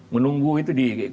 menunggu itu di kebun kopi itu